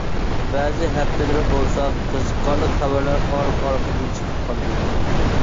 بەزى ھەپتىلىرى بولسا قىزىقارلىق خەۋەرلەر ئارقا-ئارقىدىن چىقىپ قالىدۇ.